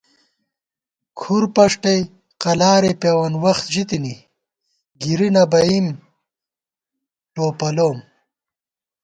کُھرپݭٹَئ قلارےپېوَن وخت ژِتِنی گِری نہ بَئیم ٹوپَلوم